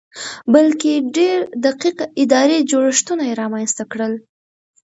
بلکې ډېر دقیق اداري جوړښتونه یې رامنځته کړل